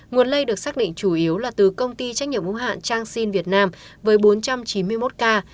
nguồn lây được xác định chủ yếu là từ công ty trách nhiệm ưu hạn changxin việt nam với bốn trăm chín mươi một ca